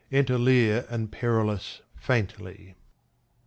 Enter Leir and Perillus faintly.